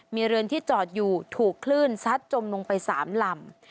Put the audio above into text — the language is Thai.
มีเรือนที่จอดอยู่ถูกคลื่นซัดจมลงไป๓ลำ